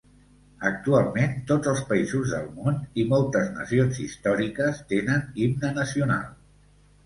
Actualment tots els països del món i moltes nacions històriques tenen himne nacional.